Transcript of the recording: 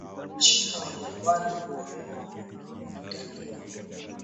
Wachina Wajapani Wakorea na Waitalia